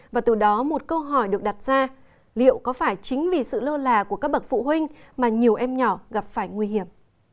và từ đó một câu hỏi được đặt ra liệu có phải chính vì sự lơ là của các bậc phụ huynh mà nhiều em nhỏ gặp phải nguy hiểm